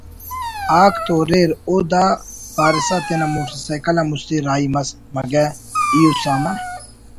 آک توریر او دا پارسا تینا motor cycle آ مستی راہی مس ”مگہ ای اُسامہ